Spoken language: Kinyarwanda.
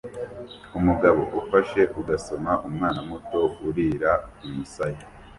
Umugabo ufashe ugasoma umwana muto urira kumusaya